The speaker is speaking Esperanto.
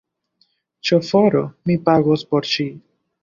Ŝoforo! Mi pagos por ŝi